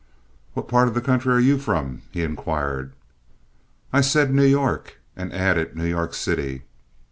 "What part of the country are you from?" he inquired. I said New York, and added New York City.